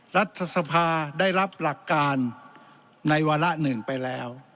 รัฐสภาได้รับหลักการในวาระหนึ่งไปแล้ว